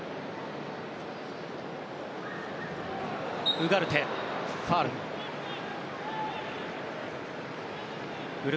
ウガルテ、ファウル。